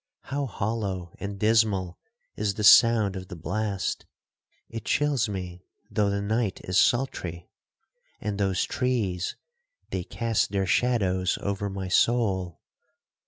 How hollow and dismal is the sound of the blast!—it chills me though the night is sultry!—and those trees, they cast their shadows over my soul!